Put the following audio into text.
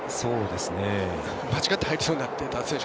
間違って入りそうになった選手。